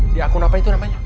di akun apa itu namanya